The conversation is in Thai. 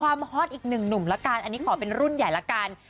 ฮอตอีกหนึ่งหนุ่มละกันอันนี้ขอเป็นรุ่นใหญ่ละกัน